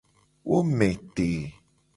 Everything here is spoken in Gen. Wo me te.